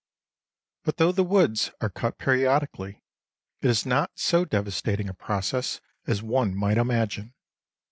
But though the woods are cut periodically, it is not so devastating a process as one might imagine.